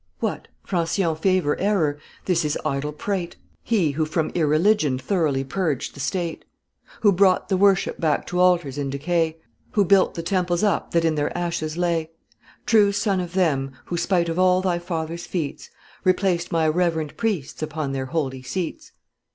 What! Francion favor error! This is idle prate: He who from irreligion thoroughly purged the state! Who brought the worship back to altars in decay; Who built the temples up that in their ashes lay; True son of them, who, spite of all thy fathers' feats, Replaced my reverend priests upon their holy seats!